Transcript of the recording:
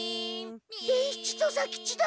伝七と左吉だ！